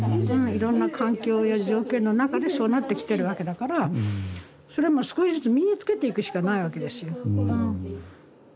いろんな環境や条件の中でそうなってきてるわけだからそれはもう少しずつ身につけていくしかないわけですよ。